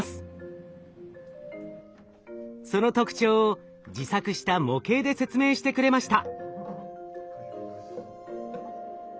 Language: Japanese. その特徴を自作した模型で説明してくれました。